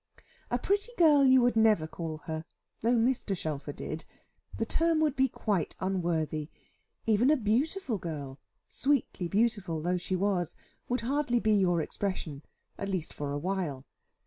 A "pretty girl" you would never call her though Mr. Shelfer did the term would be quite unworthy; even a "beautiful girl," sweetly beautiful though she was, would hardly be your expression, at least for a while.